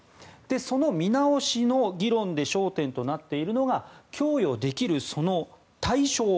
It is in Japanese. その見直しの議論で焦点となっているのが供与できるその対象。